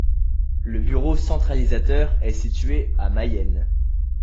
Le bureau centralisateur est situé à Mayenne.